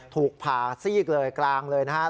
ถูกผ่าซีกเลยกลางเลยนะครับ